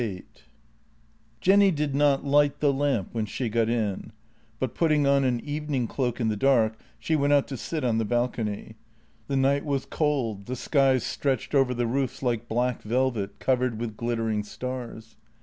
VIII J ENNY did not light the lamp when she got in, but, put ting on an evening cloak in the dark, she went out to sit on the balcony. The night was cold, the skies stretched over the roofs like black velvet, covered with glittering stars.